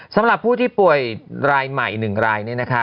สำหรับผู้ที่ป่วยรายใหม่๑รายเนี่ยนะคะ